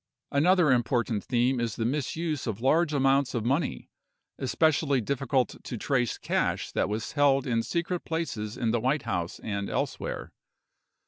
Another important theme is the misuse of large amounts of money, especially difficult to trace cash that was held in secret places in the White House and elsewhere.